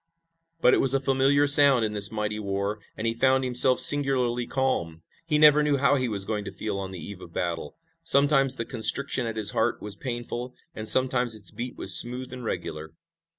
But it was a familiar sound in this mighty war, and he found himself singularly calm. He never knew how he was going to feel on the eve of battle. Sometimes the constriction at his heart was painful, and sometimes its beat was smooth and regular.